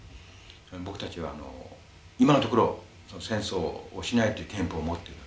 僕たちはあの今のところ戦争をしないという憲法を持ってるわけですからね。